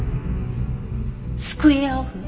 スクエアオフ？